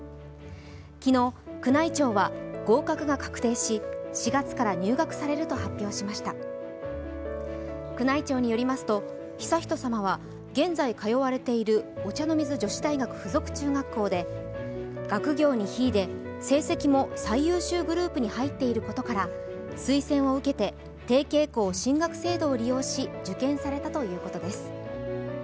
昨日、宮内庁は、合格が確定し４月から入学されると発表しました宮内庁によりますと悠仁さまは現在通われているお茶の水女子大学附属中学校で学業に秀で、成績も最優秀グループに入っていることから推薦を受けて提携校進学制度を利用し受験されたということです。